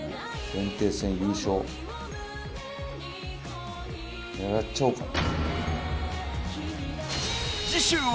炎帝戦優勝ねらっちゃおうかな。